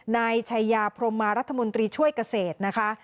นายชายาพรมมารัฐมนตรีช่วยเกษตรนะคะ